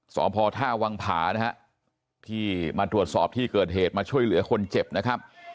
สพท่าวังผานะฮะที่มาตรวจสอบที่เกิดเหตุมาช่วยเหลือคนเจ็บนะครับ